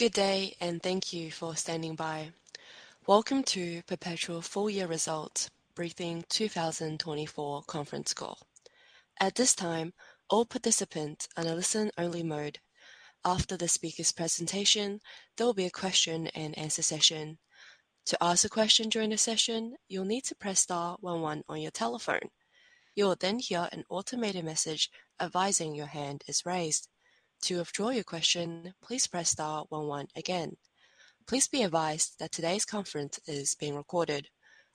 Good day, and thank you for standing by. Welcome to Perpetual Full Year Results Briefing 2024 conference call. At this time, all participants are in a listen-only mode. After the speaker's presentation, there will be a question and answer session. To ask a question during the session, you'll need to press star one one on your telephone. You will then hear an automated message advising your hand is raised. To withdraw your question, please press star one one again. Please be advised that today's conference is being recorded.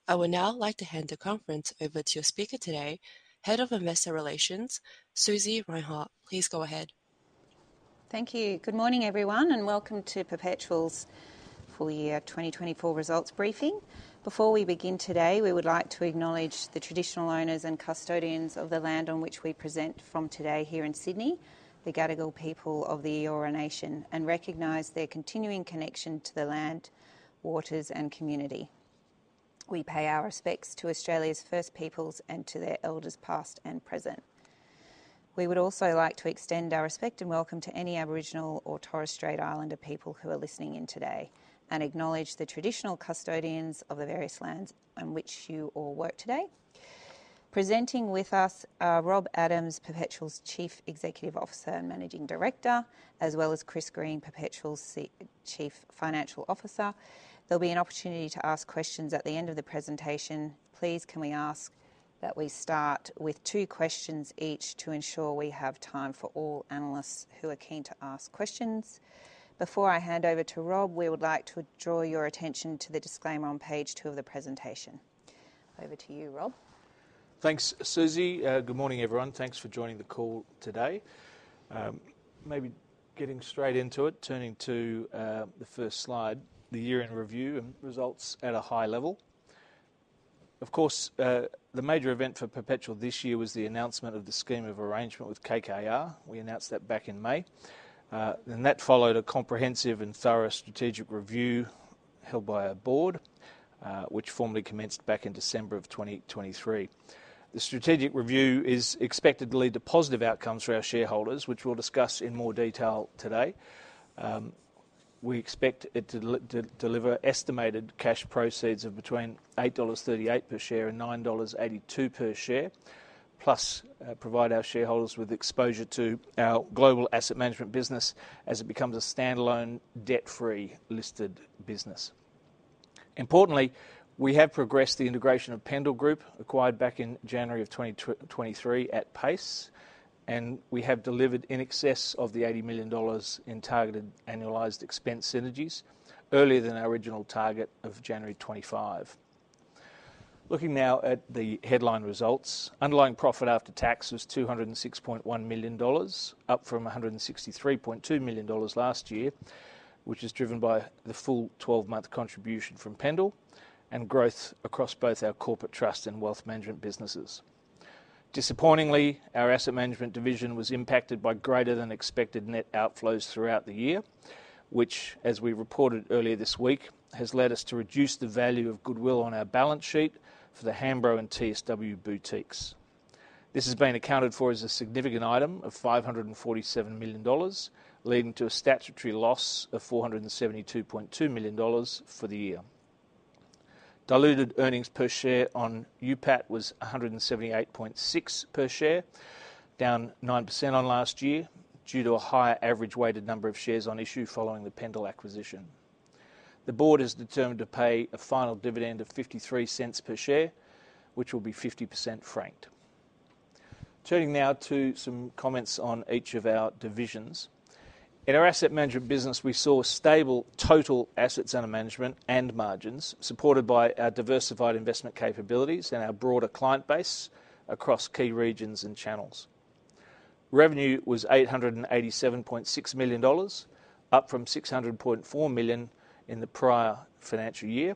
I would now like to hand the conference over to your speaker today, Head of Investor Relations, Susie Reinhardt. Please go ahead. Thank you. Good morning, everyone, and welcome to Perpetual's Full 2024 Results Briefing. Before we begin today, we would like to acknowledge the traditional owners and custodians of the land on which we present from today here in Sydney, the Gadigal people of the Eora Nation, and recognize their continuing connection to the land, waters, and community. We pay our respects to Australia's First Peoples and to their elders, past and present. We would also like to extend our respect and welcome to any Aboriginal or Torres Strait Islander people who are listening in today and acknowledge the traditional custodians of the various lands on which you all work today. Presenting with us are Rob Adams, Perpetual's Chief Executive Officer and Managing Director, as well as Chris Green, Perpetual's Chief Financial Officer. There'll be an opportunity to ask questions at the end of the presentation. Please, can we ask that we start with two questions each to ensure we have time for all analysts who are keen to ask questions? Before I hand over to Rob, we would like to draw your attention to the disclaimer on page two of the presentation. Over to you, Rob. Thanks, Susie. Good morning, everyone. Thanks for joining the call today. Maybe getting straight into it, turning to the first slide, the year in review and results at a high level. Of course, the major event for Perpetual this year was the announcement of the scheme of arrangement with KKR. We announced that back in May. That followed a comprehensive and thorough strategic review held by our board, which formally commenced back in December of 2023. The strategic review is expected to lead to positive outcomes for our shareholders, which we'll discuss in more detail today. We expect it to deliver estimated cash proceeds of between 8.38 dollars per share and 9.82 dollars per share, plus provide our shareholders with exposure to our Global Asset Management business as it becomes a standalone, debt-free, listed business. Importantly, we have progressed the integration of Pendal Group, acquired back in January of 2023, at pace, and we have delivered in excess of 80 million dollars in targeted annualized expense synergies earlier than our original target of January 2025. Looking now at the headline results, underlying profit after tax was 206.1 million dollars, up from 163.2 million dollars last year, which is driven by the full 12-month contribution from Pendal and growth across both our corporate trust and wealth management businesses. Disappointingly, our Asset Management division was impacted by greater than expected net outflows throughout the year, which, as we reported earlier this week, has led us to reduce the value of goodwill on our balance sheet for the Hambro and TSW boutiques. This has been accounted for as a significant item of 547 million dollars, leading to a statutory loss of 472.2 million dollars for the year. Diluted earnings per share on UPAT was 178.6 per share, down 9% on last year due to a higher average weighted number of shares on issue following the Pendal acquisition. The board is determined to pay a final dividend of 0.53 per share, which will be 50% franked. Turning now to some comments on each of our divisions. In our Asset Management business, we saw stable total assets under management and margins, supported by our diversified investment capabilities and our broader client base across key regions and channels. Revenue was 887.6 million dollars, up from 600.4 million in the prior financial year,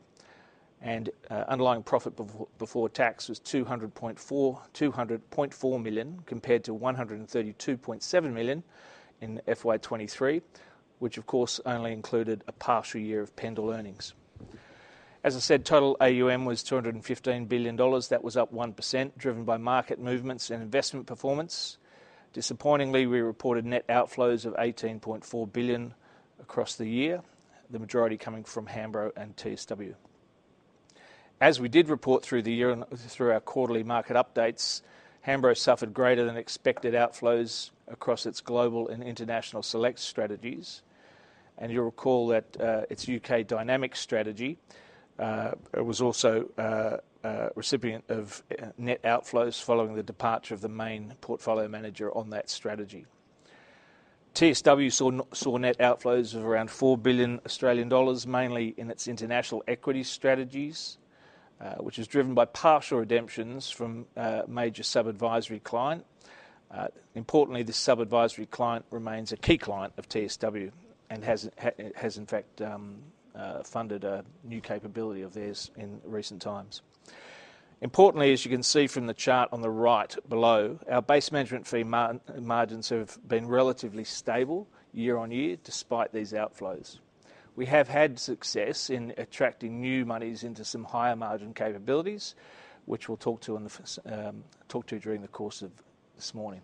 and underlying profit before tax was 200.4 million, compared to 132.7 million in FY 2023, which of course only included a partial year of Pendal earnings. As I said, total AUM was 215 billion dollars. That was up 1%, driven by market movements and investment performance. Disappointingly, we reported net outflows of 18.4 billion across the year, the majority coming from Hambro and TSW. As we did report through the year and through our quarterly market updates, Hambro suffered greater than expected outflows across its Global and International Select strategies, and you'll recall that, its U.K. Dynamic strategy, was also, a recipient of, net outflows following the departure of the main portfolio manager on that strategy. TSW saw net outflows of around 4 billion Australian dollars, mainly in its international equity strategies, which is driven by partial redemptions from a major sub-advisory client. Importantly, this sub-advisory client remains a key client of TSW and has, in fact, funded a new capability of theirs in recent times. Importantly, as you can see from the chart on the right below, our base management fee margins have been relatively stable year-on-year despite these outflows. We have had success in attracting new monies into some higher-margin capabilities, which we'll talk to in the first, talk to you during the course of this morning.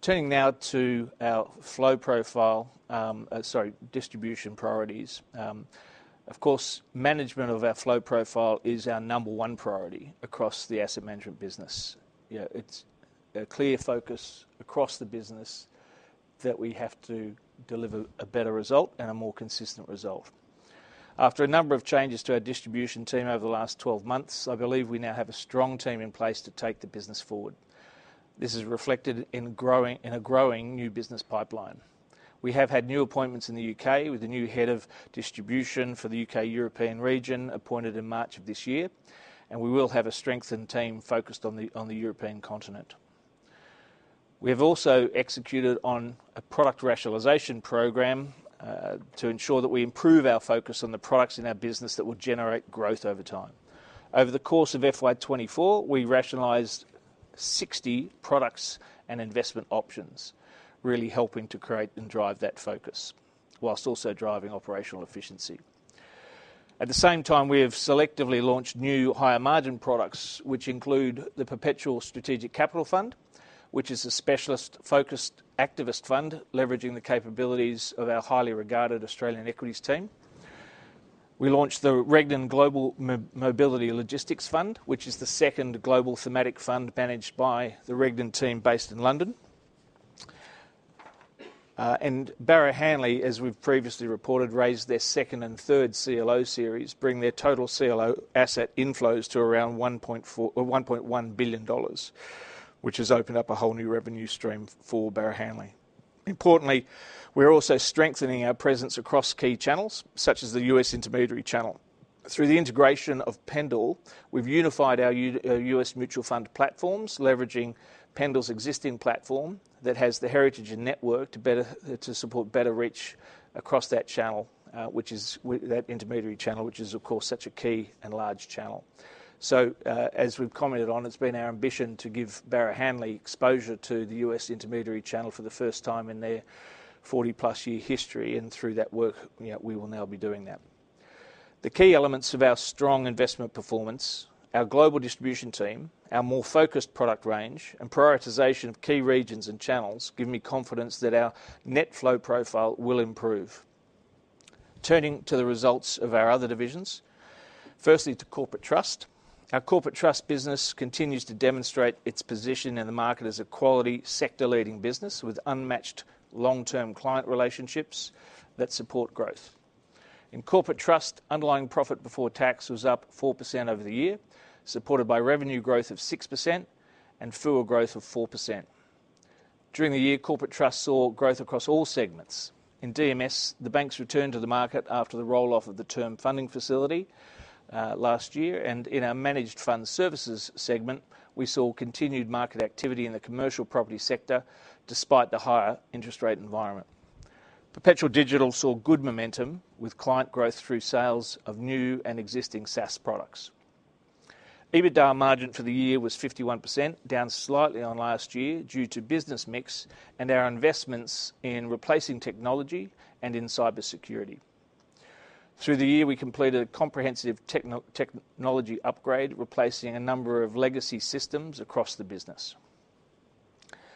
Turning now to our flow profile, distribution priorities. Of course, management of our flow profile is our number one priority across the Asset Management business. Yeah, it's a clear focus across the business that we have to deliver a better result and a more consistent result. After a number of changes to our distribution team over the last 12 months, I believe we now have a strong team in place to take the business forward. This is reflected in a growing new business pipeline. We have had new appointments in the U.K., with a new head of distribution for the U.K.-European region appointed in March of this year, and we will have a strengthened team focused on the European continent. We have also executed on a product rationalization program to ensure that we improve our focus on the products in our business that will generate growth over time. Over the course of FY 2024, we rationalized 60 products and investment options, really helping to create and drive that focus, while also driving operational efficiency. At the same time, we have selectively launched new higher-margin products, which include the Perpetual Strategic Capital Fund, which is a specialist-focused activist fund, leveraging the capabilities of our highly regarded Australian equities team. We launched the Regnan Global Mobility and Logistics Fund, which is the second global thematic fund managed by the Regnan team based in London. And Barrow Hanley, as we've previously reported, raised their second and third CLO series, bringing their total CLO asset inflows to around $1.1 billion, which has opened up a whole new revenue stream for Barrow Hanley. Importantly, we're also strengthening our presence across key channels, such as the U.S. intermediary channel. Through the integration of Pendal, we've unified our U.S. mutual fund platforms, leveraging Pendal's existing platform that has the heritage and network to better to support better reach across that channel, which is that intermediary channel, which is, of course, such a key and large channel. So, as we've commented on, it's been our ambition to give Barrow Hanley exposure to the U.S. intermediary channel for the first time in their forty-plus year history, and through that work, you know, we will now be doing that. The key elements of our strong investment performance, our global distribution team, our more focused product range, and prioritization of key regions and channels give me confidence that our net flow profile will improve. Turning to the results of our other divisions, firstly, to Corporate Trust. Our Corporate Trust business continues to demonstrate its position in the market as a quality, sector-leading business with unmatched long-term client relationships that support growth. In Corporate Trust, underlying profit before tax was up 4% over the year, supported by revenue growth of 6% and FUA growth of 4%. During the year, Corporate Trust saw growth across all segments. In DMS, the banks returned to the market after the roll-off of the term funding facility last year, and in our Managed Fund Services segment, we saw continued market activity in the commercial property sector, despite the higher interest rate environment. Perpetual Digital saw good momentum, with client growth through sales of new and existing SaaS products. EBITDA margin for the year was 51%, down slightly on last year due to business mix and our investments in replacing technology and in cybersecurity. Through the year, we completed a comprehensive technology upgrade, replacing a number of legacy systems across the business.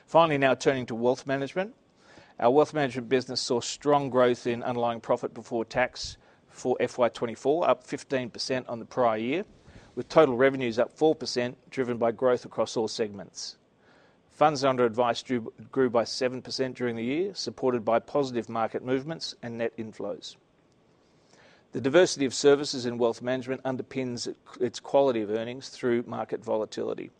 Finally, now turning to Wealth Management. Our Wealth Management business saw strong growth in underlying profit before tax for FY 2024, up 15% on the prior year, with total revenues up 4%, driven by growth across all segments. Funds under advice grew by 7% during the year, supported by positive market movements and net inflows. The diversity of services in Wealth Management underpins its quality of earnings through market volatility.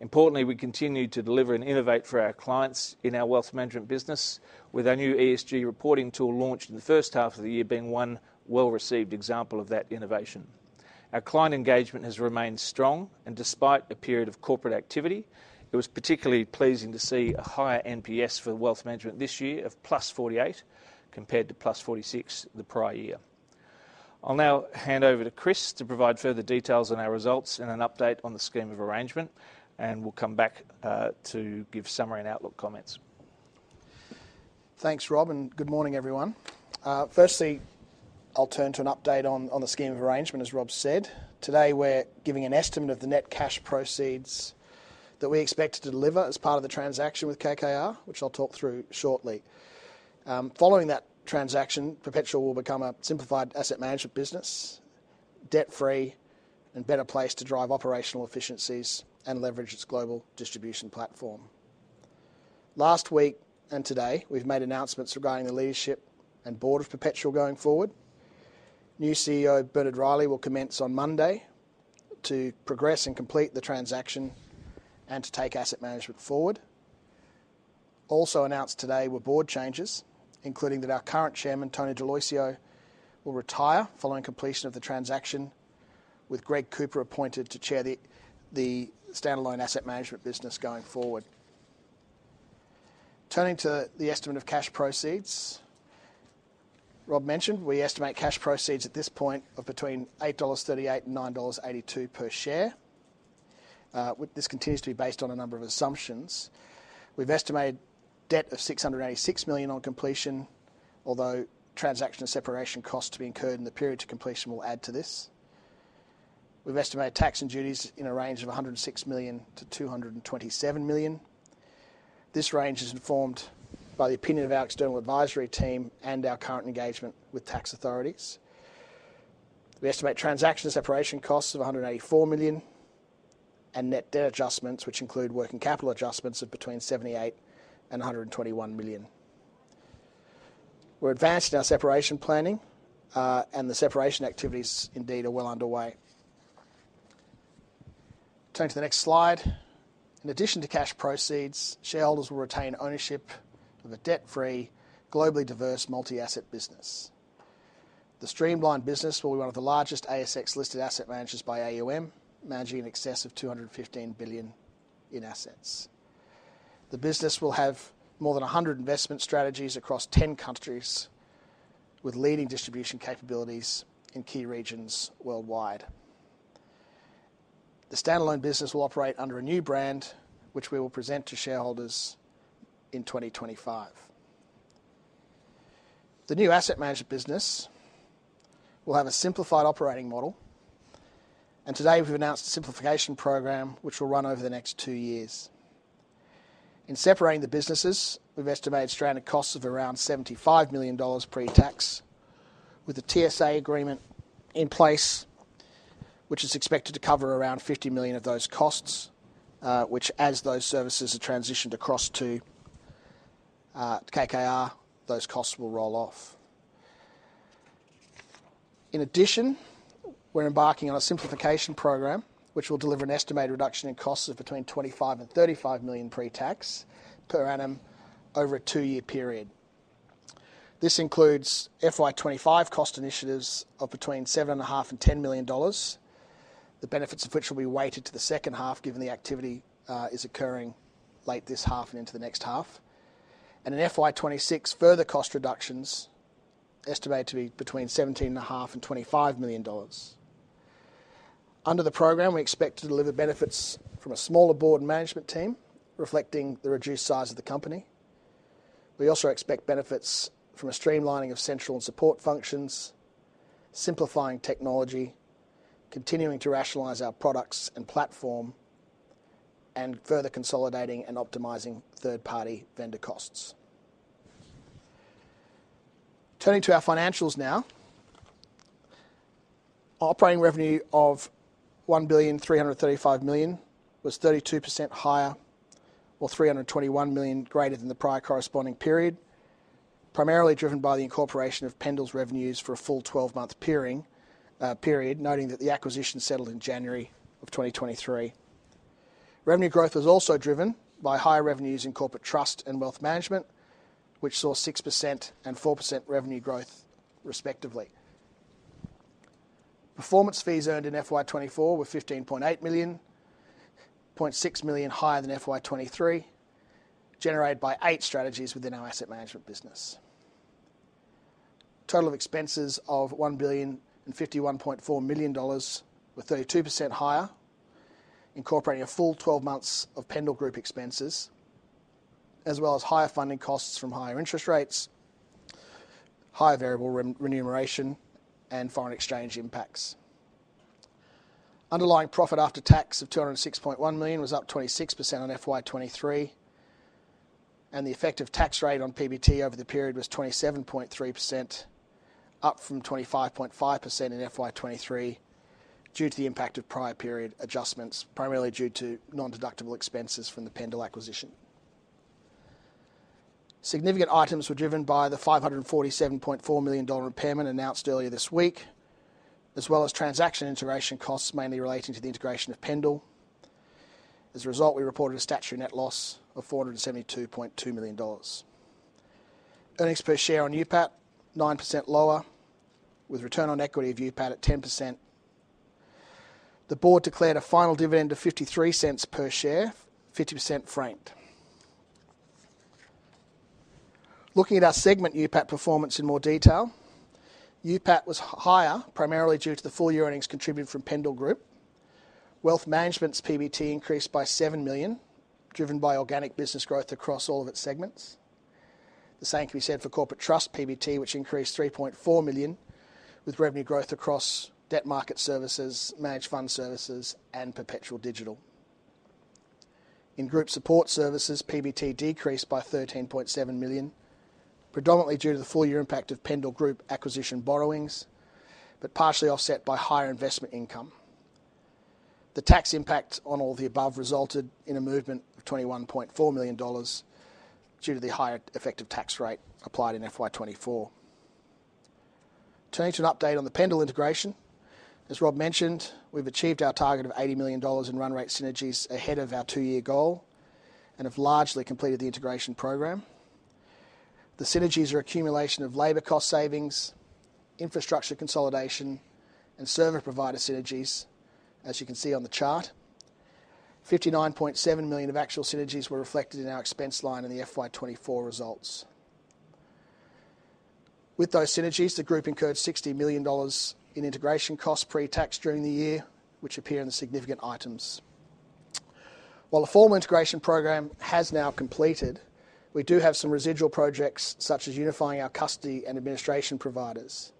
Importantly, we continue to deliver and innovate for our clients in our Wealth Management business, with our new ESG reporting tool launched in the H1 of the year being one well-received example of that innovation. Our client engagement has remained strong, and despite a period of corporate activity, it was particularly pleasing to see a higher NPS for Wealth Management this year of plus 48, compared to plus 46 the prior year. I'll now hand over to Chris to provide further details on our results and an update on the scheme of arrangement, and we'll come back to give summary and outlook comments. Thanks, Rob, and good morning, everyone. Firstly, I'll turn to an update on the scheme of arrangement, as Rob said. Today, we're giving an estimate of the net cash proceeds that we expect to deliver as part of the transaction with KKR, which I'll talk through shortly. Following that transaction, Perpetual will become a simplified asset management business, debt-free and better placed to drive operational efficiencies and leverage its global distribution platform. Last week and today, we've made announcements regarding the leadership and board of Perpetual going forward. New CEO, Bernard Reilly, will commence on Monday to progress and complete the transaction and to take asset management forward. Also announced today were board changes, including that our current chairman, Tony D'Aloisio, will retire following completion of the transaction, with Greg Cooper appointed to chair the standalone asset management business going forward. Turning to the estimate of cash proceeds, Rob mentioned we estimate cash proceeds at this point of between 8.38 dollars and 9.82 dollars per share, with this continues to be based on a number of assumptions. We've estimated debt of 686 million on completion, although transaction and separation costs to be incurred in the period to completion will add to this. We've estimated tax and duties in a range of 106 million - 227 million. This range is informed by the opinion of our external advisory team and our current engagement with tax authorities. We estimate transaction separation costs of 184 million, and net debt adjustments, which include working capital adjustments, of between 78 million and 121 million. We're advanced in our separation planning, and the separation activities indeed are well underway. Turning to the next slide. In addition to cash proceeds, shareholders will retain ownership of a debt-free, globally diverse multi-asset business. The streamlined business will be one of the largest ASX-listed asset managers by AUM, managing in excess of 215 billion in assets. The business will have more than 100 investment strategies across 10 countries, with leading distribution capabilities in key regions worldwide. The standalone business will operate under a new brand, which we will present to shareholders in 2025. The new asset management business will have a simplified operating model, and today we've announced a simplification program which will run over the next two years. In separating the businesses, we've estimated stranded costs of around AUD 75 million pre-tax, with a TSA agreement in place, which is expected to cover around 50 million of those costs, which as those services are transitioned across to KKR, those costs will roll off. In addition, we're embarking on a simplification program, which will deliver an estimated reduction in costs of between 25 million and 35 million pre-tax per annum over a two-year period. This includes FY 2025 cost initiatives of between 7.5 million and 10 million dollars, the benefits of which will be weighted to the H2, given the activity is occurring late this half and into the next half. In FY 2026, further cost reductions estimated to be between 17.5 million and 25 million dollars. Under the program, we expect to deliver benefits from a smaller board and management team, reflecting the reduced size of the company. We also expect benefits from a streamlining of central and support functions, simplifying technology, continuing to rationalize our products and platform, and further consolidating and optimizing third-party vendor costs. Turning to our financials now. Operating revenue of 1.335 billion was 32% higher, or 321 million greater than the prior corresponding period, primarily driven by the incorporation of Pendal's revenues for a full twelve-month period, noting that the acquisition settled in January 2023. Revenue growth was also driven by higher revenues in corporate trust and wealth management, which saw 6% and 4% revenue growth, respectively. Performance fees earned in FY 2024 were 15.8 million, 0.6 million higher than FY 2023, generated by eight strategies within our asset management business. Total expenses of 1,051.4 million dollars were 32% higher, incorporating a full 12 months of Pendal Group expenses, as well as higher funding costs from higher interest rates, higher variable remuneration, and foreign exchange impacts. Underlying profit after tax of 206.1 million was up 26% on FY 2023, and the effective tax rate on PBT over the period was 27.3%, up from 25.5% in FY 2023, due to the impact of prior period adjustments, primarily due to non-deductible expenses from the Pendal acquisition. Significant items were driven by the 547.4 million dollar impairment announced earlier this week, as well as transaction integration costs, mainly relating to the integration of Pendal. As a result, we reported a statutory net loss of 472.2 million dollars. Earnings per share on NPAT, 9% lower, with return on equity of NPAT at 10%. The board declared a final dividend of 0.53 per share, 50% franked. Looking at our segment NPAT performance in more detail, NPAT was higher, primarily due to the full-year earnings contributed from Pendal Group. Wealth Management's PBT increased by 7 million, driven by organic business growth across all of its segments. The same can be said for Corporate Trust PBT, which increased 3.4 million, with revenue growth across Debt Market Services, Managed Fund Services, and Perpetual Digital. In Group Support Services, PBT decreased by 13.7 million, predominantly due to the full year impact of Pendal Group acquisition borrowings, but partially offset by higher investment income. The tax impact on all the above resulted in a movement of 21.4 million dollars due to the higher effective tax rate applied in FY 2024. Turning to an update on the Pendal integration. As Rob mentioned, we've achieved our target of 80 million dollars in run rate synergies ahead of our two-year goal and have largely completed the integration program. The synergies are accumulation of labor cost savings, infrastructure consolidation, and service provider synergies, as you can see on the chart. 59.7 million of actual synergies were reflected in our expense line in the FY 2024 results.... With those synergies, the group incurred 60 million dollars in integration costs pre-tax during the year, which appear in the significant items. While the formal integration program has now completed, we do have some residual projects, such as unifying our custody and administration providers.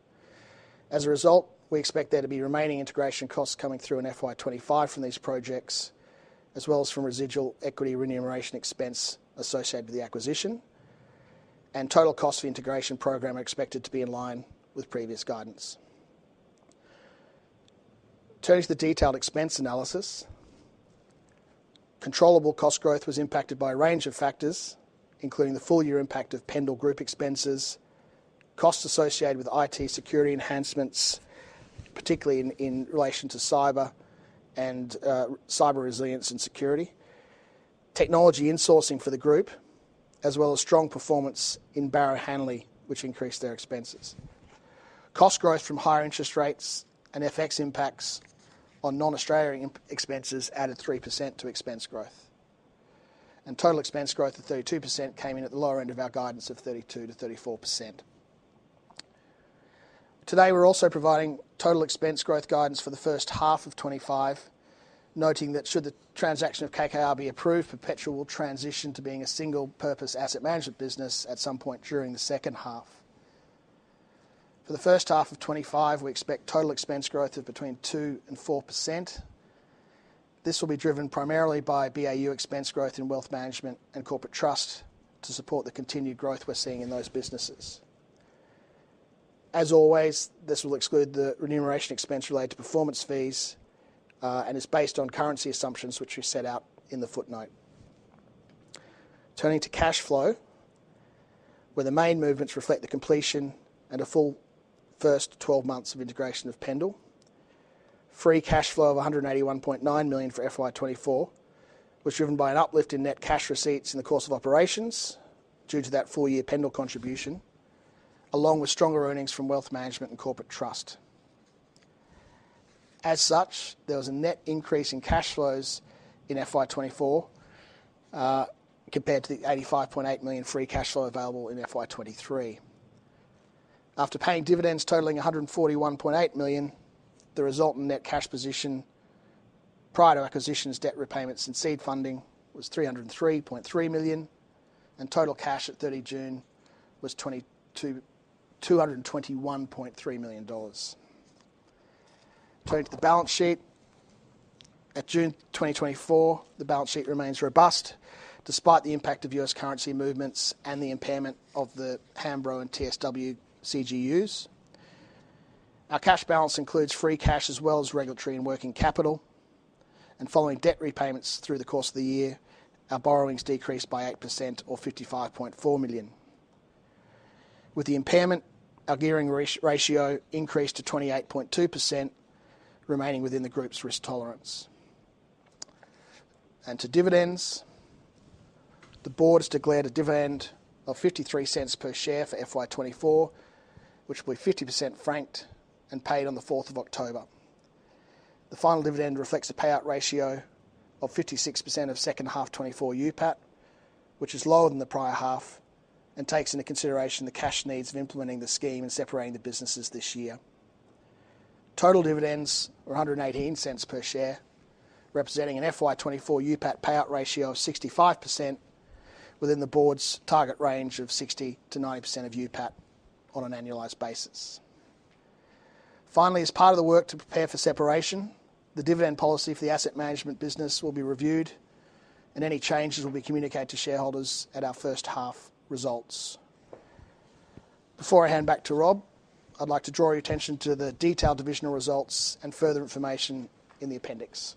As a result, we expect there to be remaining integration costs coming through in FY 2025 from these projects, as well as from residual equity remuneration expense associated with the acquisition, and total cost of the integration program are expected to be in line with previous guidance. Turning to the detailed expense analysis. Controllable cost growth was impacted by a range of factors, including the full year impact of Pendal Group expenses, costs associated with IT security enhancements, particularly in relation to cyber and cyber resilience and security, technology insourcing for the group, as well as strong performance in Barrow Hanley, which increased their expenses. Cost growth from higher interest rates and FX impacts on non-Australian expenses added 3% to expense growth, and total expense growth of 32% came in at the lower end of our guidance of 32% - 34%. Today, we're also providing total expense growth guidance for the H1 of 2025, noting that should the transaction of KKR be approved, Perpetual will transition to being a single purpose asset management business at some point during the H2. For the H1 of 2025, we expect total expense growth of between 2% and 4%. This will be driven primarily by BAU expense growth in wealth management and corporate trust to support the continued growth we're seeing in those businesses. As always, this will exclude the remuneration expense related to performance fees, and is based on currency assumptions, which we've set out in the footnote. Turning to cash flow, where the main movements reflect the completion and a full first 12 months of integration of Pendal. Free cash flow of 181.9 million for FY 2024 was driven by an uplift in net cash receipts in the course of operations due to that full year Pendal contribution, along with stronger earnings from wealth management and corporate trust. As such, there was a net increase in cash flows in FY 2024, compared to the 85.8 million free cash flow available in FY 2023. After paying dividends totaling 141.8 million, the result in net cash position prior to acquisitions, debt repayments, and seed funding was 303.3 million, and total cash at 30 June was 222.3 million dollars. Turning to the balance sheet. At June 2024, the balance sheet remains robust, despite the impact of U.S. currency movements and the impairment of the Hambro and TSW CGUs. Our cash balance includes free cash as well as regulatory and working capital, and following debt repayments through the course of the year, our borrowings decreased by 8% or 55.4 million. With the impairment, our gearing ratio increased to 28.2%, remaining within the group's risk tolerance and to dividends, the board has declared a dividend of 0.53 per share for FY 2024, which will be 50% franked and paid on the fourth of October. The final dividend reflects a payout ratio of 56% of H2 2024 UPAT, which is lower than the prior half and takes into consideration the cash needs of implementing the scheme and separating the businesses this year. Total dividends are 1.18 per share, representing an FY 2024 UPAT payout ratio of 65%, within the board's target range of 60%-90% of UPAT on an annualized basis. Finally, as part of the work to prepare for separation, the dividend policy for the asset management business will be reviewed, and any changes will be communicated to shareholders at our H1 results. Before I hand back to Rob, I'd like to draw your attention to the detailed divisional results and further information in the appendix.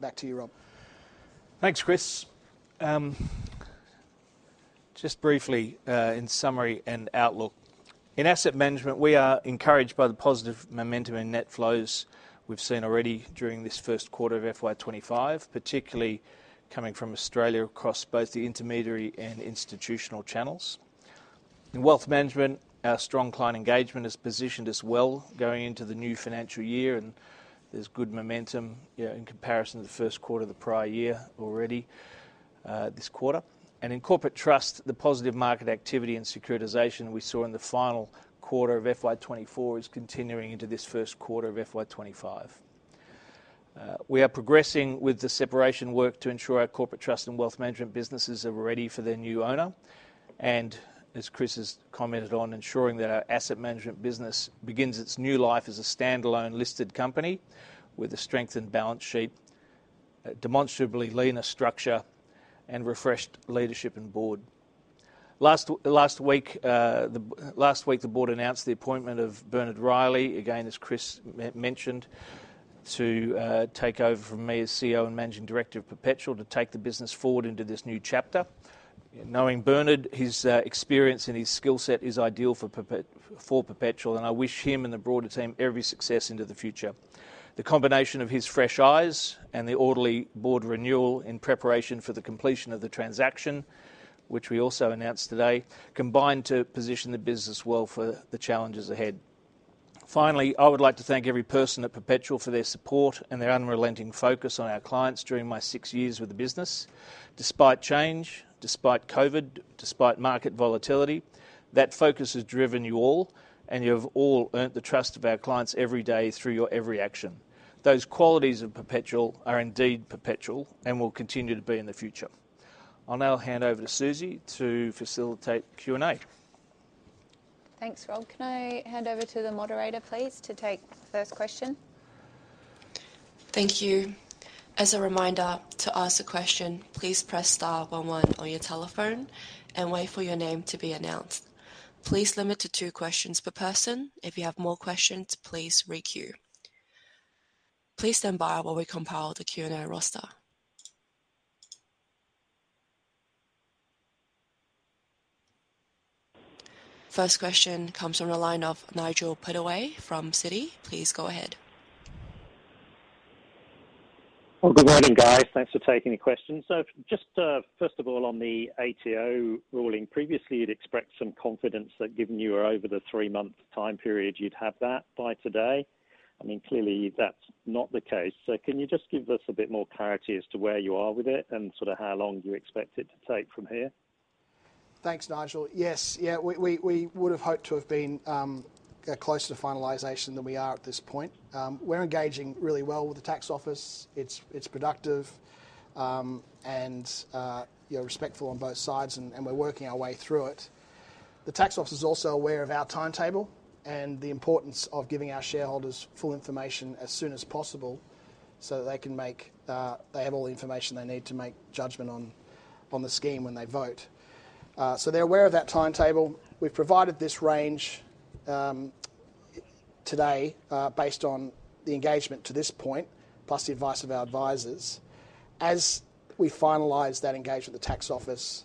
Back to you, Rob. Thanks, Chris. Just briefly, in summary and outlook. In asset management, we are encouraged by the positive momentum in net flows we've seen already during this Q1 of FY 2025, particularly coming from Australia across both the intermediary and institutional channels. In wealth management, our strong client engagement has positioned us well going into the new financial year, and there's good momentum, yeah, in comparison to the Q1 of the prior year already, this quarter. And in corporate trust, the positive market activity and securitization we saw in the final quarter of FY 2024 is continuing into this Q1 of FY 2025. We are progressing with the separation work to ensure our corporate trust and wealth management businesses are ready for their new owner, and as Chris has commented on, ensuring that our asset management business begins its new life as a standalone listed company with a strengthened balance sheet, a demonstrably leaner structure, and refreshed leadership and board. Last week, the board announced the appointment of Bernard Reilly, again, as Chris mentioned, to take over from me as CEO and Managing Director of Perpetual, to take the business forward into this new chapter. Knowing Bernard, his experience and his skill set is ideal for Perpetual, and I wish him and the broader team every success into the future. The combination of his fresh eyes and the orderly board renewal in preparation for the completion of the transaction, which we also announced today, combined to position the business well for the challenges ahead. Finally, I would like to thank every person at Perpetual for their support and their unrelenting focus on our clients during my six years with the business. Despite change, despite COVID, despite market volatility, that focus has driven you all, and you have all earned the trust of our clients every day through your every action. Those qualities of Perpetual are indeed perpetual and will continue to be in the future. I'll now hand over to Susie to facilitate Q&A. Thanks, Rob. Can I hand over to the moderator, please, to take the first question? Thank you. As a reminder, to ask a question, please press star one one on your telephone and wait for your name to be announced. Please limit to two questions per person. If you have more questions, please re-queue. Please stand by while we compile the Q&A roster. First question comes from the line of Nigel Pittaway from Citi. Please go ahead. Good morning, guys. Thanks for taking the questions. So just first of all, on the ATO ruling, previously, you'd expressed some confidence that given you were over the three-month time period, you'd have that by today. I mean, clearly, that's not the case. So can you just give us a bit more clarity as to where you are with it and sort of how long you expect it to take from here? Thanks, Nigel. Yes. Yeah, we would have hoped to have been closer to finalization than we are at this point. We're engaging really well with the tax office. It's productive, and you know, respectful on both sides, and we're working our way through it. The tax office is also aware of our timetable and the importance of giving our shareholders full information as soon as possible so that they have all the information they need to make judgment on the scheme when they vote. So they're aware of that timetable. We've provided this range today based on the engagement to this point, plus the advice of our advisors. As we finalize that engagement with the tax office,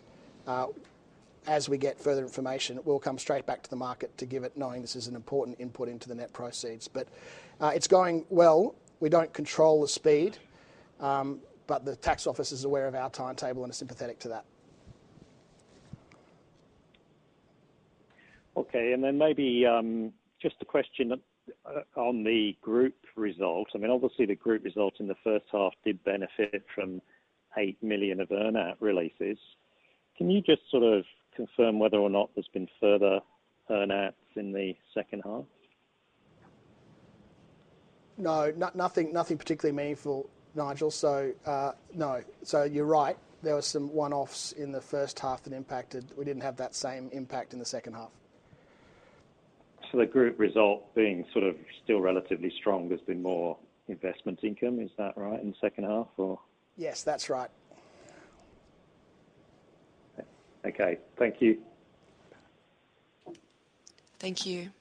as we get further information, it will come straight back to the market to give it, knowing this is an important input into the net proceeds, but it's going well. We don't control the speed, but the tax office is aware of our timetable and is sympathetic to that. Okay, and then maybe, just a question, on the group results. I mean, obviously, the group results in the H1 did benefit from 8 million of earn-out releases. Can you just sort of confirm whether or not there's been further earn-outs in the H2? No, nothing particularly meaningful, Nigel. So, no. So you're right, there were some one-offs in the H1 that impacted. We didn't have that same impact in the H2. So the group result being sort of still relatively strong, there's been more investment income. Is that right, in the H2 or? Yes, that's right. Okay. Thank you. Thank you.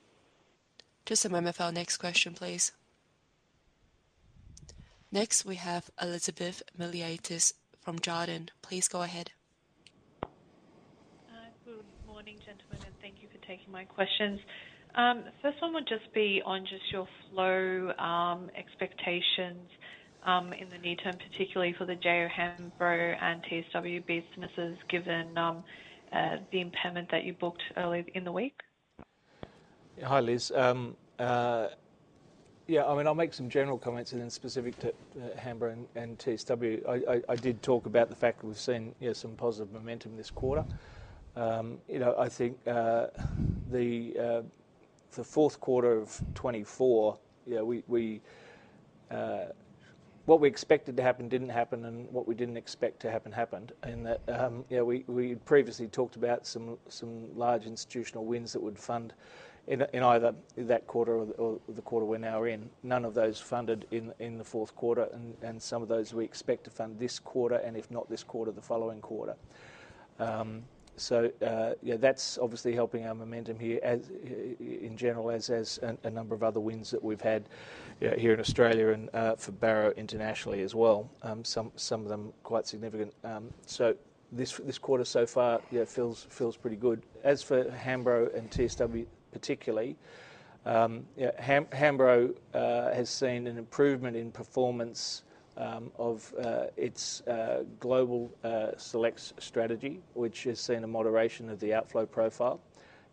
Just a moment for our next question, please. Next, we have Elizabeth Miliatis from Jarden. Please go ahead. Good morning, gentlemen, and thank you for taking my questions. First one would just be on just your flow expectations in the near term, particularly for the J.O. Hambro and TSW businesses, given the impairment that you booked earlier in the week. Yeah. Hi, Liz. Yeah, I mean, I'll make some general comments and then specific to Hambro and TSW. I did talk about the fact that we've seen, yeah, some positive momentum this quarter. You know, I think the Q4 of 2024, yeah, we what we expected to happen didn't happen, and what we didn't expect to happen happened and that, yeah, we previously talked about some large institutional wins that would fund in either that quarter or the quarter we're now in. None of those funded in the Q4, and some of those we expect to fund this quarter, and if not this quarter, the following quarter. So yeah, that's obviously helping our momentum here, as in general, as a number of other wins that we've had, yeah, here in Australia and for Barrow internationally as well, some of them quite significant. So this quarter, so far, yeah, feels pretty good. As for Hambro and TSW, particularly, yeah, Hambro has seen an improvement in performance of its Global Select strategy, which has seen a moderation of the outflow profile.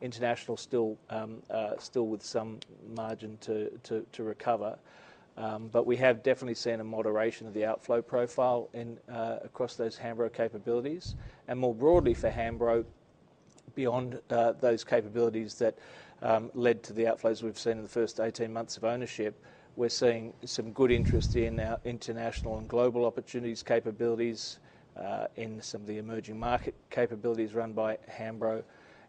International still with some margin to recover, but we have definitely seen a moderation of the outflow profile in across those Hambro capabilities. And more broadly for Hambro, beyond those capabilities that led to the outflows we've seen in the first eighteen months of ownership, we're seeing some good interest in our international and global opportunities, capabilities in some of the emerging market capabilities run by Hambro.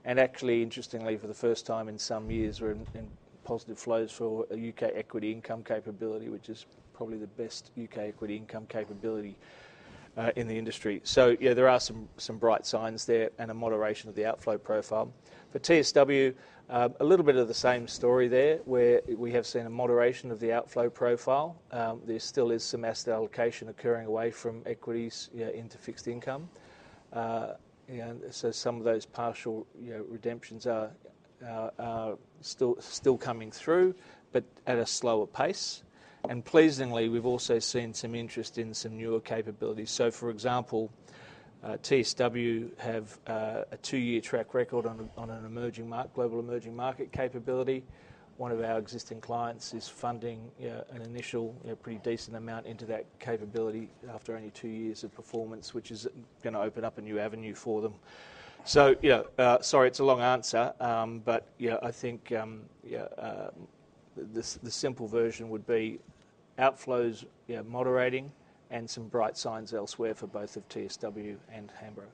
Actually, interestingly, for the first time in some years, we're in positive flows for a U.K. equity income capability, which is probably the best U.K. equity income capability in the industry. Yeah, there are some bright signs there and a moderation of the outflow profile. For TSW, a little bit of the same story there, where we have seen a moderation of the outflow profile. There still is some asset allocation occurring away from equities, yeah, into fixed income. And so some of those partial, you know, redemptions are still coming through, but at a slower pace. And pleasingly, we've also seen some interest in some newer capabilities. So for example, TSW have a two-year track record on an emerging markets global emerging market capability. One of our existing clients is funding an initial pretty decent amount into that capability after only two years of performance, which is gonna open up a new avenue for them. So, sorry, it's a long answer, but I think the simple version would be outflows moderating and some bright signs elsewhere for both of TSW and Hambro.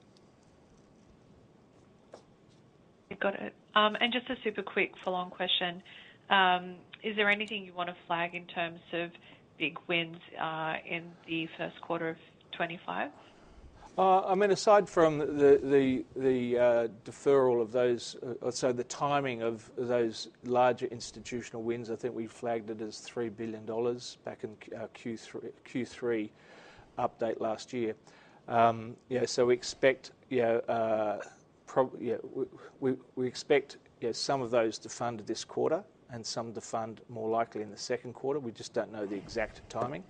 Got it. And just a super quick follow-on question. Is there anything you want to flag in terms of big wins, in the Q1 of 2025? I mean, aside from the deferral of those, so the timing of those larger institutional wins, I think we flagged it as 3 billion dollars back in our Q3 update last year. Yeah, so we expect, you know, some of those to fund this quarter and some to fund more likely in the Q2. We just don't know the exact timing.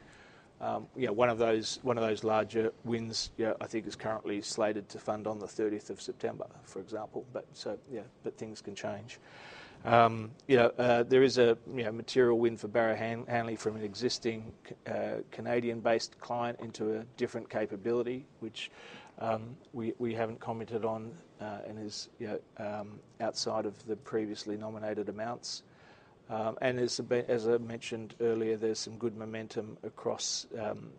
Yeah, one of those larger wins, I think is currently slated to fund on the 30th of September, for example. But so, yeah, but things can change. You know, there is a you know material win for Barrow Hanley from an existing Canadian-based client into a different capability, which we haven't commented on, and is you know outside of the previously nominated amounts. As I mentioned earlier, there's some good momentum across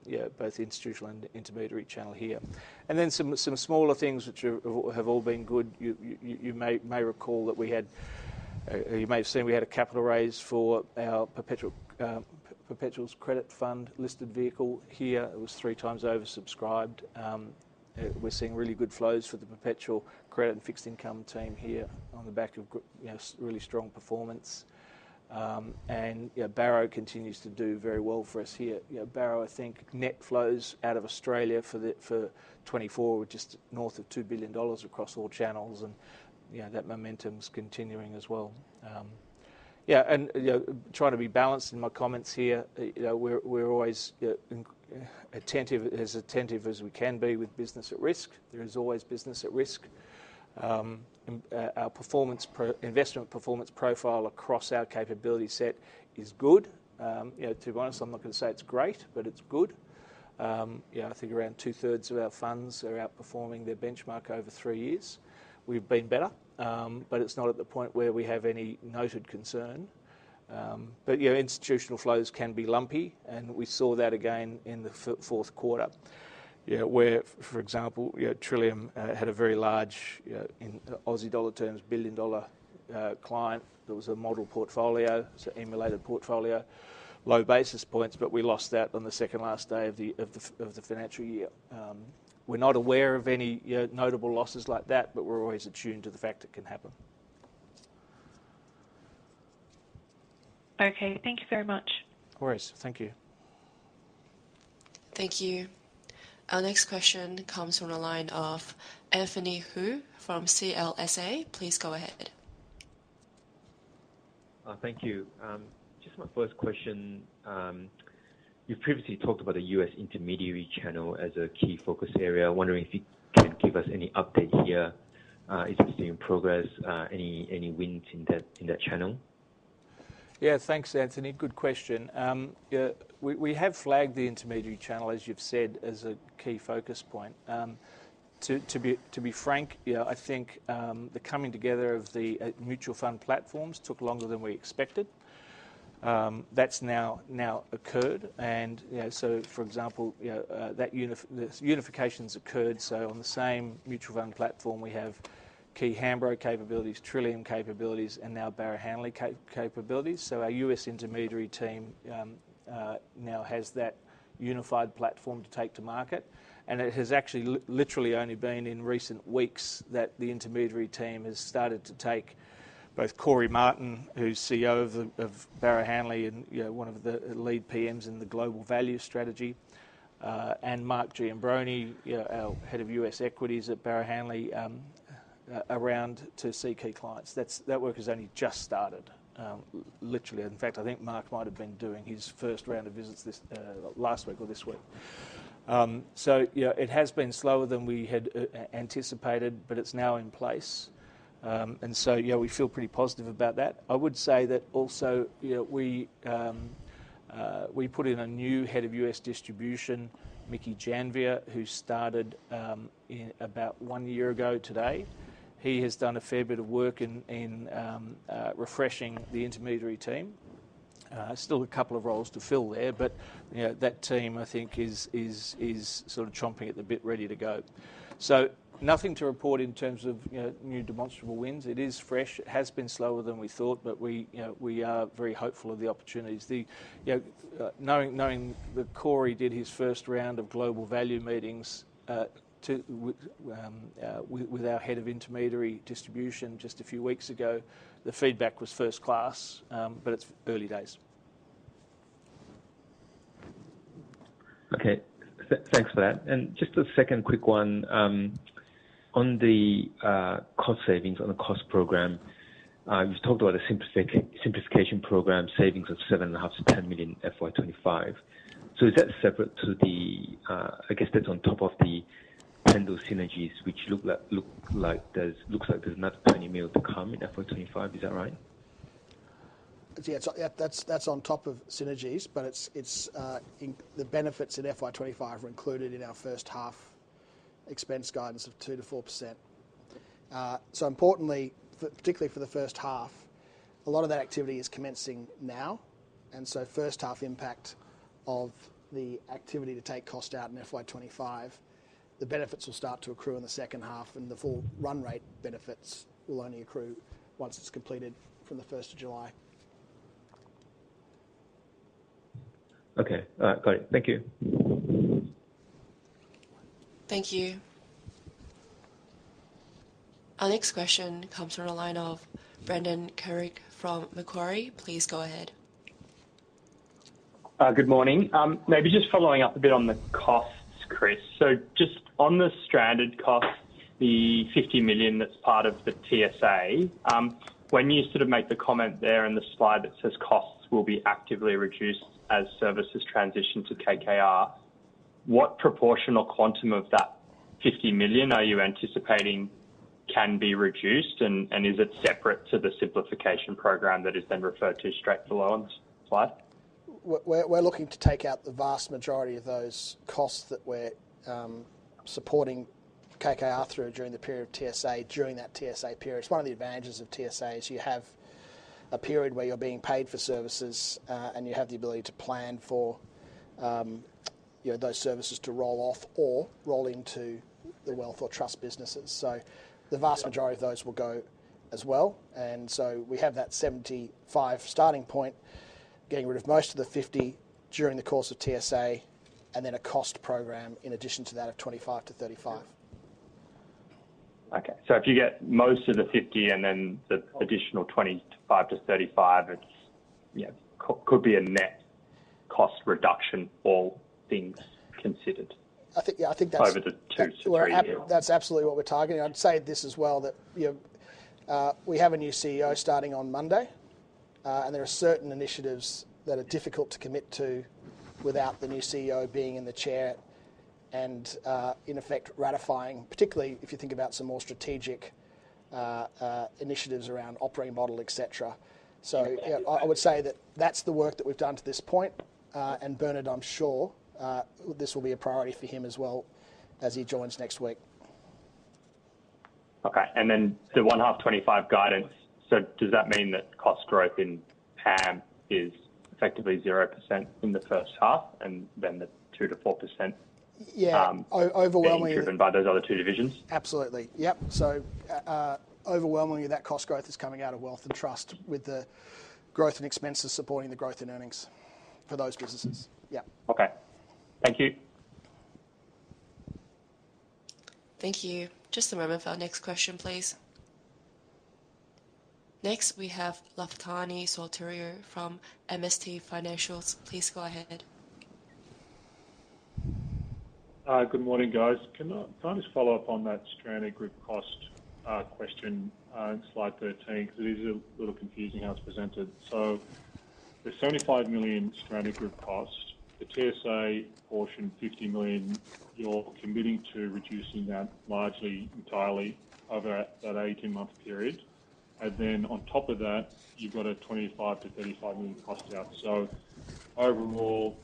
yeah both the institutional and intermediary channel here. Then some smaller things which have all been good. You may recall that we had, or you may have seen, we had a capital raise for our Perpetual's credit fund listed vehicle here. It was three times oversubscribed. We're seeing really good flows for the Perpetual Credit and Fixed Income team here on the back of you know really strong performance. You know, Barrow continues to do very well for us here. You know, Barrow, I think, net flows out of Australia for 2024 were just north of 2 billion dollars across all channels, and, you know, that momentum is continuing as well. Yeah, and, you know, trying to be balanced in my comments here, you know, we're always attentive as we can be with business at risk. There is always business at risk. Our investment performance profile across our capability set is good. You know, to be honest, I'm not gonna say it's great, but it's good. Yeah, I think around two-thirds of our funds are outperforming their benchmark over three years. We've been better, but it's not at the point where we have any noted concern. But you know, institutional flows can be lumpy, and we saw that again in the Q4, you know, where, for example, you know, Trillium had a very large, you know, in Aussie dollar terms, billion-dollar client. There was a model portfolio, so emulated portfolio, low basis points, but we lost that on the second last day of the financial year. We're not aware of any notable losses like that, but we're always attuned to the fact it can happen. Okay, thank you very much. No worries. Thank you. Thank you. Our next question comes from the line of Anthony Hoo from CLSA. Please go ahead. Thank you. Just my first question, you previously talked about the U.S. intermediary channel as a key focus area. I'm wondering if you can give us any update here? Is this in progress, any wins in that channel? Yeah, thanks, Anthony. Good question. Yeah, we have flagged the intermediary channel, as you've said, as a key focus point. To be frank, you know, I think the coming together of the mutual fund platforms took longer than we expected. That's now occurred, and, you know, so for example, you know, that unification's occurred, so on the same mutual fund platform, we have key Hambro capabilities, Trillium capabilities, and now Barrow Hanley capabilities. So our U.S. intermediary team now has that unified platform to take to market, and it has actually literally only been in recent weeks that the intermediary team has started to take both Cory Martin, who's CEO of Barrow Hanley, and, you know, one of the lead PMs in the Global Value strategy, and Mark Giambrone, you know, our Head of U.S. Equities at Barrow Hanley, around to see key clients. That work has only just started, literally. In fact, I think Mark might have been doing his first round of visits this last week or this week. So yeah, it has been slower than we had anticipated, but it's now in place, and so, you know, we feel pretty positive about that. I would say that also, you know, we, we put in a new Head of U.S. Distribution, Mickey Janvier, who started, in about one year ago today. He has done a fair bit of work in, in, refreshing the intermediary team. Still a couple of roles to fill there, but, you know, that team, I think, is, is, sort of chomping at the bit, ready to go. So nothing to report in terms of, you know, new demonstrable wins. It is fresh. It has been slower than we thought, but we, you know, we are very hopeful of the opportunities. The, you know, knowing, that Cory did his first round of global value meetings, to, with, with our head of intermediary distribution just a few weeks ago, the feedback was first class, but it's early days. Okay. Thanks for that. And just a second quick one. On the cost savings, on the cost program, you've talked about a simplification program, savings of 7.5 million-10 million FY 2025. So is that separate to the... I guess that's on top of the tender synergies, which look like there's another 20 million to come in FY 2025. Is that right? Yeah, so that's on top of synergies, but it's the benefits in FY 2025 are included in our H1- ...expense guidance of 2% - 4%. So importantly, for, particularly for the H1, a lot of that activity is commencing now, and so H1 impact of the activity to take cost out in FY 2025, the benefits will start to accrue in the H2, and the full run rate benefits will only accrue once it's completed from the first of July. Okay. Got it. Thank you. Thank you. Our next question comes from the line of Brendan Carrig from Macquarie. Please go ahead. Good morning. Maybe just following up a bit on the costs, Chris. So just on the stranded cost, the 50 million that's part of the TSA, when you sort of make the comment there in the slide that says, "Costs will be actively reduced as services transition to KKR," what proportion or quantum of that 50 million are you anticipating can be reduced, and is it separate to the simplification program that is then referred to straight below on the slide? We're looking to take out the vast majority of those costs that we're supporting KKR through during the period of TSA, during that TSA period. It's one of the advantages of TSA is you have a period where you're being paid for services, and you have the ability to plan for, you know, those services to roll off or roll into the wealth or trust businesses. So the vast- Yeah... the majority of those will go as well, and so we have that 75 million starting point, getting rid of most of the 50 million during the course of TSA, and then a cost program in addition to that of 25 million - 35 million. Okay. So if you get most of the 50 million and then the additional 25 million - 35 million, it's, yeah, could be a net cost reduction, all things considered- I think, yeah, that's- Over the two to three years. That's absolutely what we're targeting. I'd say this as well, that, you know, we have a new CEO starting on Monday, and there are certain initiatives that are difficult to commit to without the new CEO being in the chair and, in effect, ratifying, particularly if you think about some more strategic initiatives around operating model, et cetera. Yeah. So yeah, I would say that that's the work that we've done to this point. And Bernard, I'm sure this will be a priority for him as well as he joins next week. Okay, and then the H1 2025 guidance, so does that mean that cost growth in PAM is effectively 0% in the H1, and then the 2% - 4%... Yeah. Overwhelmingly- Being driven by those other two divisions? Absolutely. Yep. So, overwhelmingly, that cost growth is coming out of wealth and trust, with the growth in expenses supporting the growth in earnings for those businesses. Yeah. Okay. Thank you. Thank you. Just a moment for our next question, please. Next, we have Lafitani Sotiriou from MST Financial. Please go ahead. Good morning, guys. Can I just follow up on that stranded group cost question, slide 13, because it is a little confusing how it's presented. So the 75 million stranded group cost, the TSA portion, 50 million, you're committing to reducing that largely entirely over that 18-month period. And then on top of that, you've got a 25 million - 35 million cost out. So overall,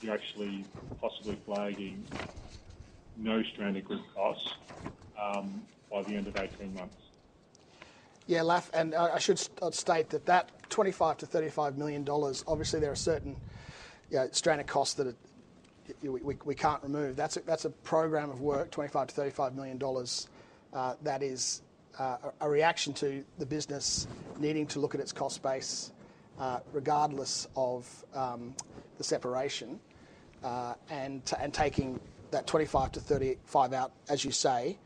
you're actually possibly flagging no stranded group cost by the end of 18 months? Yeah, Laf, and I should state that 25 million - 35 million dollars, obviously, there are certain, you know, stranded costs that we can't remove. That's a program of work, 25 million - 35 million dollars, that is a reaction to the business needing to look at its cost base, regardless of the separation, and taking that 25 million - 35 million out, as you say,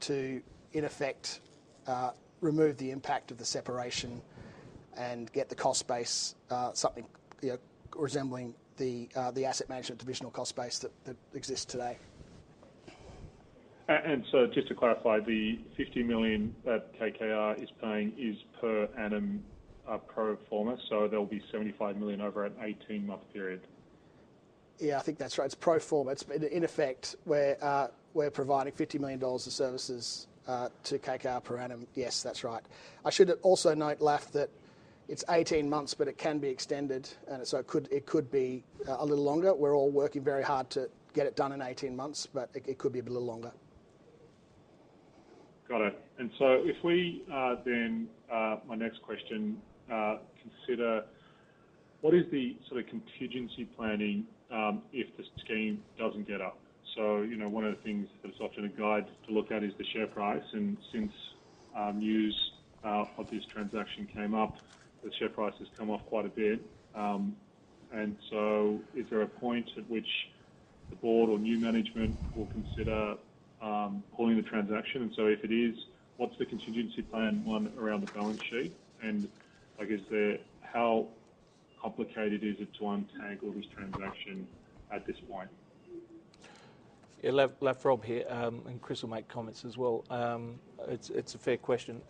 to in effect remove the impact of the separation and get the cost base something, you know, resembling the asset management divisional cost base that exists today. Just to clarify, the 50 million that KKR is paying is per annum, pro forma, so there'll be 75 million over an 18-month period? Yeah, I think that's right. It's pro forma. It's in effect, we're providing 50 million dollars of services to KKR per annum. Yes, that's right. I should also note, Laf, that it's 18 months, but it can be extended, and so it could be a little longer. We're all working very hard to get it done in 18 months, but it could be a little longer. Got it. And so my next question: what is the sort of contingency planning if the scheme doesn't get up? So, you know, one of the things that is often a guide to look at is the share price, and since news of this transaction came up, the share price has come off quite a bit. And so is there a point at which the board or new management will consider pulling the transaction? And so if it is, what's the contingency plan, one, around the balance sheet, and I guess how complicated is it to untangle this transaction at this point? Yeah, Laf, Laf, Rob here, and Chris will make comments as well. It's a fair question.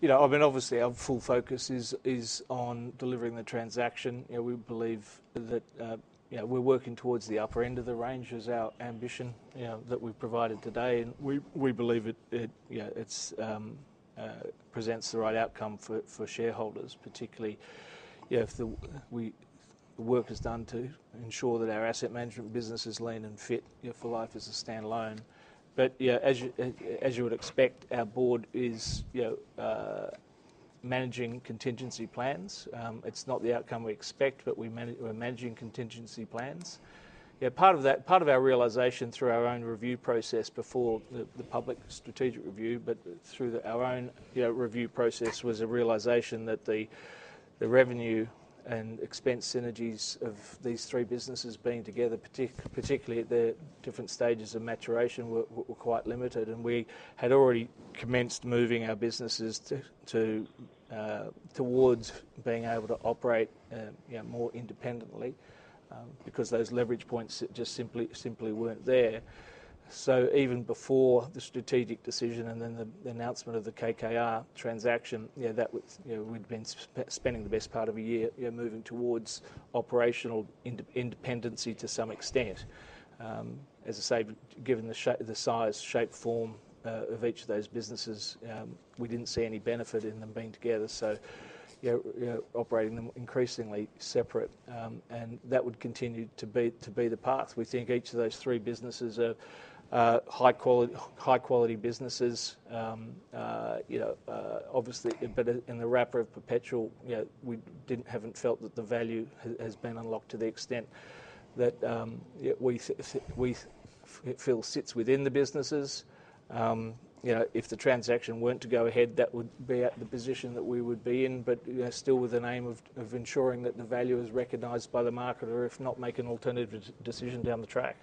You know, I mean, obviously, our full focus is on delivering the transaction. You know, we believe that, you know, we're working towards the upper end of the range as our ambition, you know, that we've provided today. And we believe it presents the right outcome for shareholders, particularly, you know, if the work is done to ensure that our asset management business is lean and fit, you know, for life as a standalone. But, yeah, as you would expect, our board is managing contingency plans. It's not the outcome we expect, but we're managing contingency plans. Yeah, part of that, part of our realization through our own review process before the public strategic review, but through our own, you know, review process, was a realization that the revenue and expense synergies of these three businesses being together, particularly at their different stages of maturation, were quite limited. And we had already commenced moving our businesses towards being able to operate, you know, more independently, because those leverage points just simply weren't there. So even before the strategic decision and then the announcement of the KKR transaction, yeah, that was, you know, we'd been spending the best part of a year, yeah, moving towards operational independency to some extent. As I say, given the size, shape, form, of each of those businesses, we didn't see any benefit in them being together. So, you know, operating them increasingly separate, and that would continue to be the path. We think each of those three businesses are high quality businesses. Obviously, but in the wrapper of Perpetual, you know, we haven't felt that the value has been unlocked to the extent that we feel sits within the businesses. You know, if the transaction weren't to go ahead, that would be at the position that we would be in, but, you know, still with an aim of ensuring that the value is recognized by the market or if not, make an alternative decision down the track.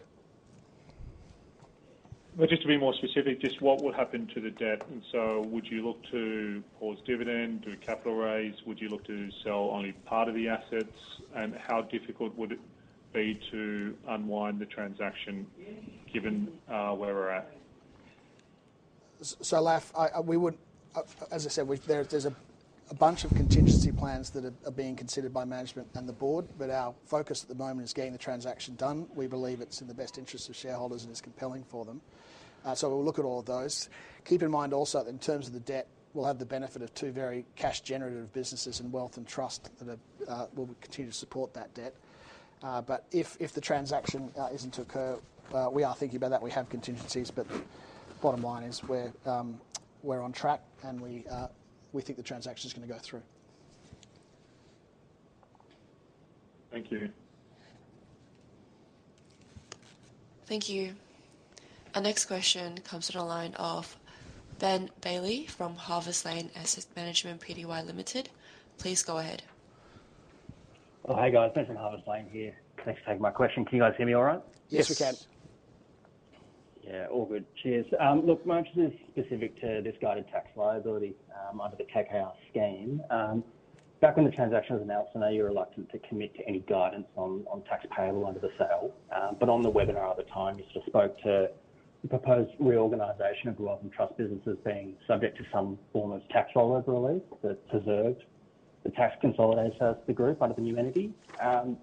But just to be more specific, just what will happen to the debt? And so would you look to pause dividend, do a capital raise? Would you look to sell only part of the assets? And how difficult would it be to unwind the transaction, given where we're at? So Laf, we would, as I said, there, there's a bunch of contingency plans that are being considered by management and the board, but our focus at the moment is getting the transaction done. We believe it's in the best interest of shareholders, and it's compelling for them. So we'll look at all of those. Keep in mind also, in terms of the debt, we'll have the benefit of two very cash-generative businesses and wealth and trust that will continue to support that debt. But if the transaction isn't to occur, we are thinking about that. We have contingencies, but bottom line is we're on track, and we think the transaction is gonna go through. Thank you. Thank you. Our next question comes from the line of Ben Bailey from Harvest Lane Asset Management Pty Limited. Please go ahead. Oh, hi, guys. Ben from Harvest Lane here. Thanks for taking my question. Can you guys hear me all right? Yes. Yes, we can. Yeah, all good. Cheers. Look, my interest is specific to this guidance on tax liability under the KKR scheme. Back when the transaction was announced, I know you were reluctant to commit to any guidance on tax payable under the sale. But on the webinar at the time, you sort of spoke to the proposed reorganization of the wealth and trust businesses being subject to some form of tax rollover relief that preserved the tax consolidation of the group under the new entity. So I've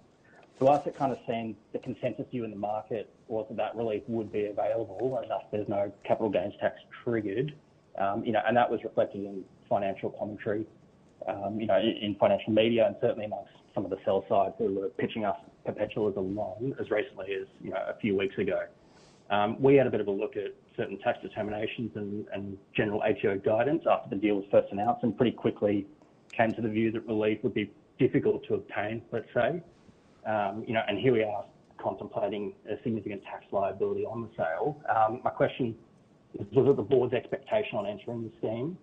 kind of seen the consensus view in the market was that that relief would be available and thus there's no capital gains tax triggered. You know, and that was reflected in financial commentary, you know, in financial media, and certainly among some of the sell side who were pitching us Perpetual as a long as recently as, you know, a few weeks ago. We had a bit of a look at certain tax determinations and general ATO guidance after the deal was first announced, and pretty quickly came to the view that relief would be difficult to obtain, let's say. You know, and here we are contemplating a significant tax liability on the sale. My question: was it the board's expectation on entering the scheme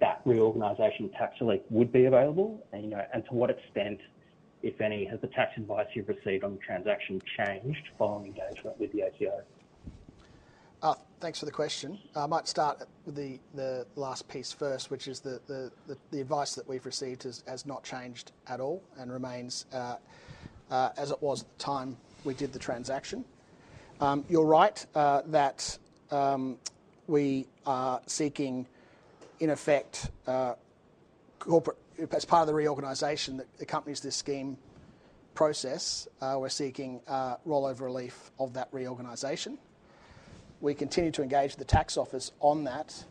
that reorganization tax relief would be available, and you know, to what extent, if any, has the tax advice you've received on the transaction changed following engagement with the ATO? Thanks for the question. I might start at the last piece first, which is the advice that we've received has not changed at all and remains as it was at the time we did the transaction. You're right that we are seeking, in effect, corporate... As part of the reorganization that accompanies this scheme process, we're seeking rollover relief of that reorganization. We continue to engage the tax office on that.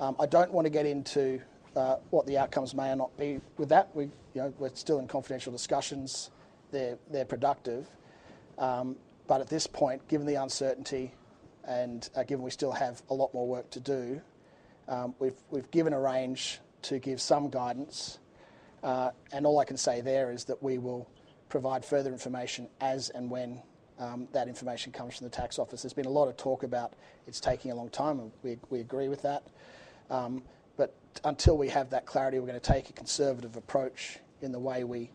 I don't want to get into what the outcomes may or not be with that. We've, you know, we're still in confidential discussions. They're productive, but at this point, given the uncertainty, and given we still have a lot more work to do, we've given a range to give some guidance. And all I can say there is that we will provide further information as and when that information comes from the tax office. There's been a lot of talk about it's taking a long time, and we agree with that. But until we have that clarity, we're gonna take a conservative approach in the way we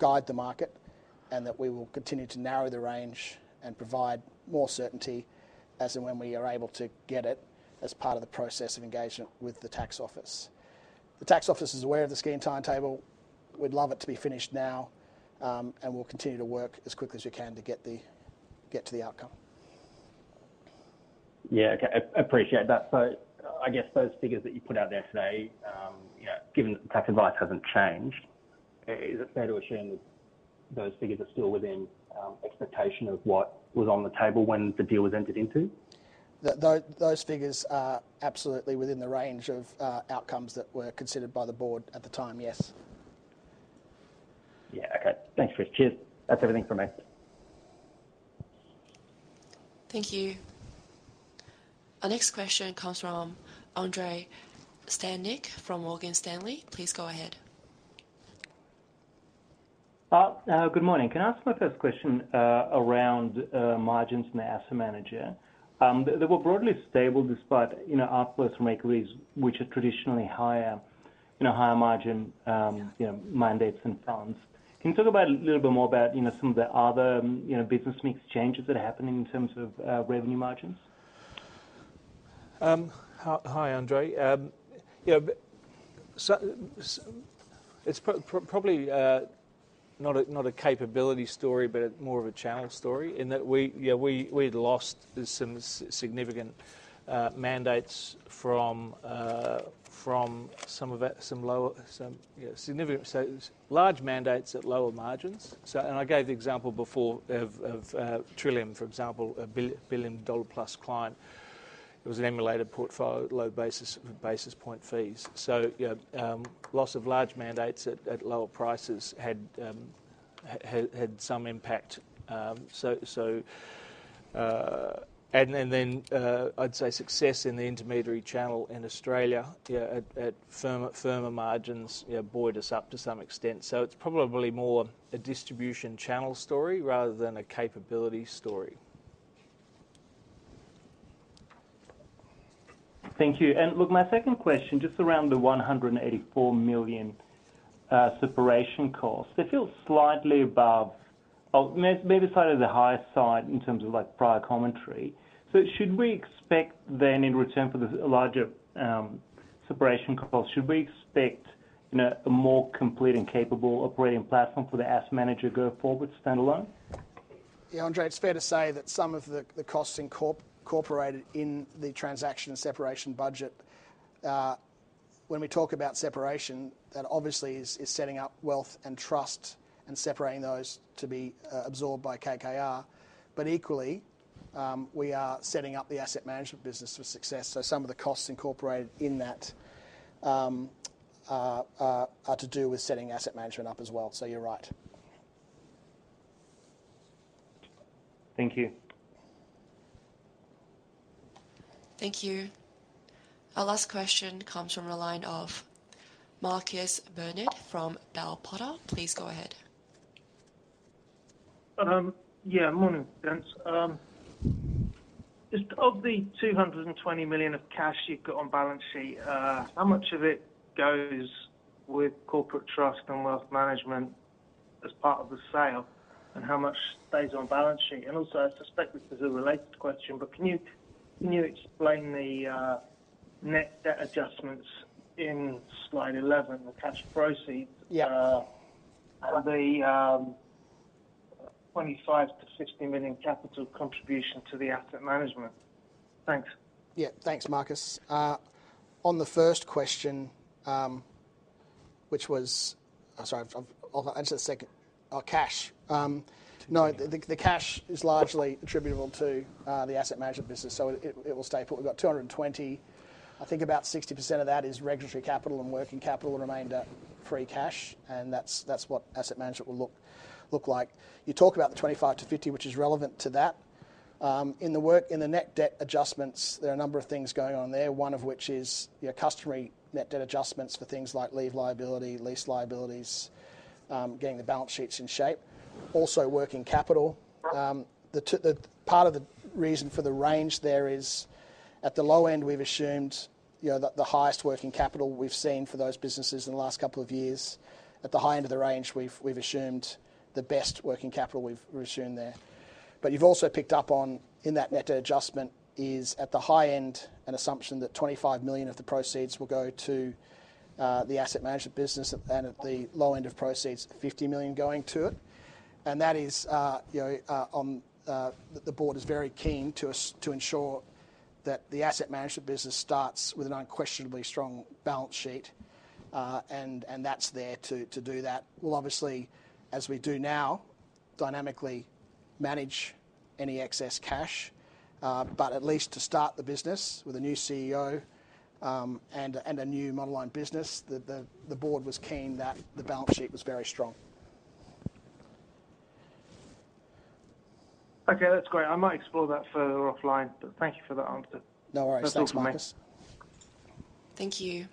guide the market, and that we will continue to narrow the range and provide more certainty as and when we are able to get it as part of the process of engagement with the tax office. The tax office is aware of the scheme timetable. We'd love it to be finished now, and we'll continue to work as quickly as we can to get to the outcome. Yeah, okay. Appreciate that. So I guess those figures that you put out there today, you know, given that the tax advice hasn't changed, is it fair to assume that those figures are still within expectation of what was on the table when the deal was entered into? Those figures are absolutely within the range of outcomes that were considered by the board at the time. Yes. Yeah. Okay. Thanks, Chris. Cheers. That's everything from me.... Thank you. Our next question comes from Andrei Stadnik from Morgan Stanley. Please go ahead. Good morning. Can I ask my first question around margins in the asset manager? They were broadly stable despite, you know, outflows from equities, which are traditionally higher, you know, higher margin, you know, mandates and funds. Can you talk about a little bit more about, you know, some of the other, you know, business mix changes that are happening in terms of revenue margins? Hi, Andrei. Yeah, so it's probably not a capability story, but more of a channel story, in that we, yeah, we'd lost some significant mandates from some of it, some lower, some significant. So large mandates at lower margins. And I gave the example before of Trillium, for example, a billion-dollar-plus client. It was an emulated portfolio, low basis point fees. So, yeah, loss of large mandates at lower prices had some impact. So, and then I'd say success in the intermediary channel in Australia, yeah, at firmer margins, yeah, buoyed us up to some extent. So it's probably more a distribution channel story rather than a capability story. Thank you. And look, my second question, just around the 184 million separation costs. They feel slightly above, or maybe slightly on the higher side in terms of, like, prior commentary. So should we expect then, in return for the larger separation costs, should we expect, you know, a more complete and capable operating platform for the asset manager going forward, standalone? Yeah, Andre, it's fair to say that some of the costs incorporated in the transaction and separation budget, when we talk about separation, that obviously is setting up wealth and trust and separating those to be absorbed by KKR. But equally, we are setting up the asset management business for success, so some of the costs incorporated in that are to do with setting asset management up as well. So you're right. Thank you. Thank you. Our last question comes from the line of Marcus Barnard from Bell Potter. Please go ahead. Yeah, morning, gents. Just of the 220 million of cash you've got on balance sheet, how much of it goes with corporate trust and wealth management as part of the sale, and how much stays on balance sheet? And also, I suspect this is a related question, but can you explain the net debt adjustments in slide 11, the cash proceeds- Yeah. The 25 million - 60 million capital contribution to the asset management? Thanks. Yeah. Thanks, Marcus. On the first question, which was... Sorry, I'll answer the second. Cash. No, the cash is largely attributable to the asset management business, so it will stay put. We've got 220 million. I think about 60% of that is regulatory capital, and working capital will remain the free cash, and that's what asset management will look like. You talk about the 25 million - 50 million, which is relevant to that. In the net debt adjustments, there are a number of things going on there, one of which is, you know, customary net debt adjustments for things like leave liability, lease liabilities, getting the balance sheets in shape, also working capital. The part of the reason for the range there is at the low end, we've assumed, you know, the highest working capital we've seen for those businesses in the last couple of years. At the high end of the range, we've assumed the best working capital we've assumed there. But you've also picked up on, in that net debt adjustment, is at the high end, an assumption that 25 million of the proceeds will go to the asset management business, and at the low end of proceeds, 50 million going to it. And that is, you know, on the board is very keen to ensure that the asset management business starts with an unquestionably strong balance sheet. And that's there to do that. We'll obviously, as we do now, dynamically manage any excess cash, but at least to start the business with a new CEO, and a new monoline business, the board was keen that the balance sheet was very strong. Okay, that's great. I might explore that further offline, but thank you for that answer. No worries. Thanks, Marcus. That's all for me. Thank you.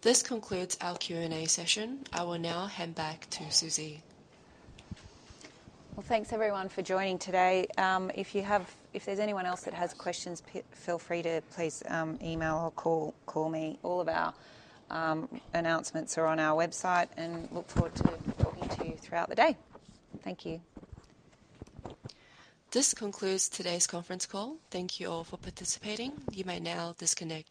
This concludes our Q&A session. I will now hand back to Susie. Thanks everyone for joining today. If there's anyone else that has questions, please feel free to email or call me. All of our announcements are on our website, and look forward to talking to you throughout the day. Thank you. This concludes today's conference call. Thank you all for participating. You may now disconnect.